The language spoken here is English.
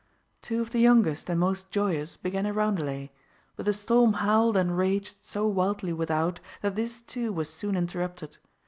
Two of the youngest and most joyous began a roundelay; but the storm howled and raged so wildly without, that this too was soon interrupted.